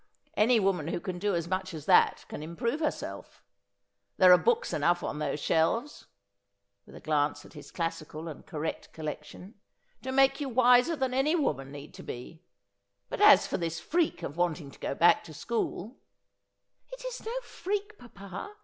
Any woman who can do as much as that can improve herself. There are books enough on those shelves '— with a glance at his classical and correct collection —' to make you wiser than any woman need be. But as for this freak of wanting to go back to school '' It is no freak, papa.